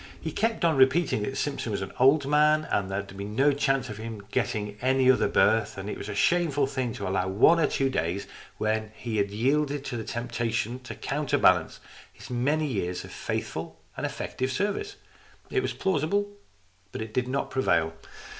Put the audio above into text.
He kept on repeating that Simpson was an old man and that there was no chance of his getting any other berth, and that it was a shameful thing to allow the one or two days when he had yielded to temptation to counterbalance his many years of faithful and effective service. It was plausible, but it did not prevail.